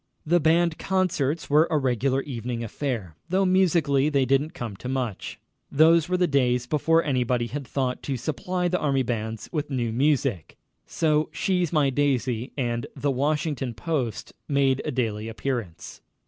The band concerts were a regular evening affair, though musically they didn't come to much. Those were the days before anybody had thought to supply the army bands with new music, so "She's My Daisy" and "The Washington Post" made a daily appearance.